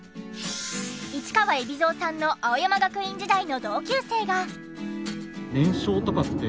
市川海老蔵さんの青山学院時代の同級生が。